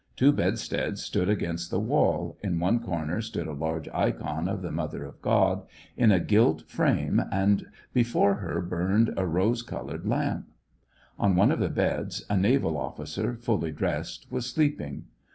Two bedsteads stood against the wall, in one corner stood a large ikon of the mother of God, in a gilt frame, and before her burned a rose colored lamp. On one of the beds, a naval officer, fully dressed, was sleeping.